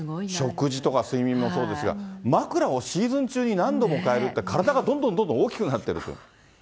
食事とか睡眠もそうですが、枕をシーズン中に何度も替えるって、体がどんどんどんどん大きくなってると。